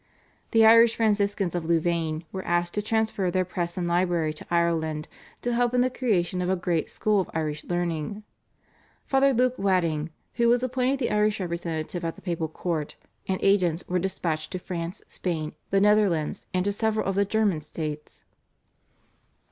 The Irish Franciscans of Louvain were asked to transfer their press and library to Ireland to help in the creation of a great school of Irish learning. Father Luke Wadding was appointed the Irish representative at the Papal Court, and agents were dispatched to France, Spain, the Netherlands, and to several of the German States.